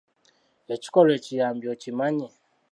Ekikolwa ekiyambi okimanyi?